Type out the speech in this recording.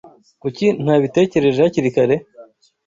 Kuki ntabitekereje hakiri kare?